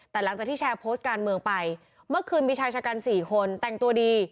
แต่หลังจากที่แชร์โพสต์การเมืองไปเมื่อคืนมีชายชะกัน๔คนแต่งตัวดี